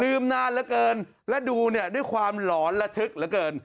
นานเหลือเกินและดูเนี่ยด้วยความหลอนระทึกเหลือเกิน